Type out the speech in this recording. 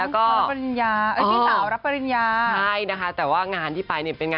ก็อยากกลับมารับงานเต็มค่ะ